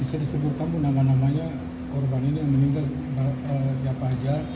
bisa disebutkan bu nama namanya korban ini yang meninggal siapa saja